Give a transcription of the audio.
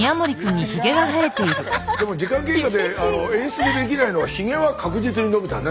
でも時間経過で演出でできないのはひげは確実に伸びたね。